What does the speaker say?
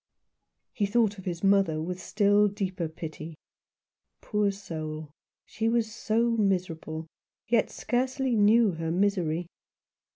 He thought of his mother with still deeper pity. Poor soul ! she was so miserable, yet scarcely knew her misery.